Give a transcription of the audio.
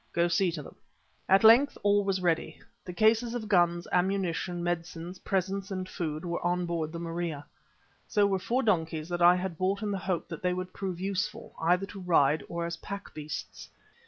Go see to them." At length all was ready, the cases of guns, ammunition, medicines, presents and food were on board the Maria. So were four donkeys that I had bought in the hope that they would prove useful, either to ride or as pack beasts.